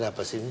ada apa sih ini